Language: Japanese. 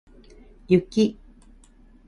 雪